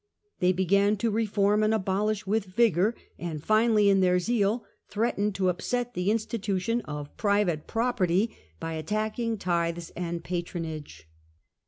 They began to reform and abolish with vigour, and finally, in their zeal, threatened to upset the institution of private property by attacking tithes and patronage.